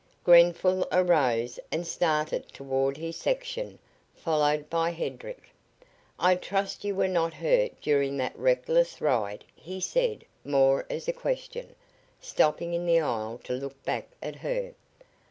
Grenfall arose and started toward his section, followed by Hedrick. "I trust you were not hurt during that reckless ride," he said, more as a question, stopping in the aisle to look back at her.